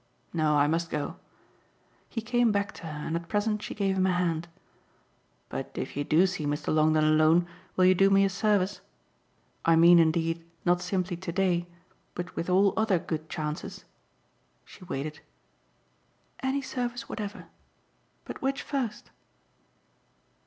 No, I must go." He came back to her and at present she gave him a hand. "But if you do see Mr. Longdon alone will you do me a service? I mean indeed not simply today, but with all other good chances?" She waited. "Any service whatever. But which first?"